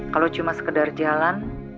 kalo cuman sekedar jalan